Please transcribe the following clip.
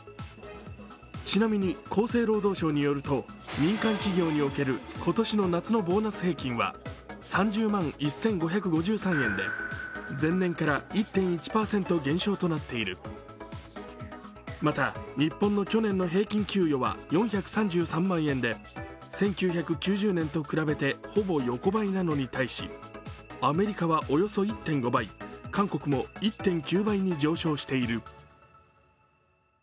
ちなみに、厚生労働省によると、民間企業における今年の夏のボーナス平均は３０万１５５３円で前年から１．１％減少となっているまた、日本の去年の平均給与は４３３万円で１９９０年に比べてほぼ横ばいなのに対し、アメリカはおよそ１．５倍、韓国も１．９倍に上昇している。